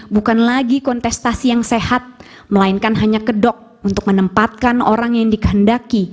bukan lagi kontestasi yang sehat melainkan hanya kedok untuk menempatkan orang yang dikehendaki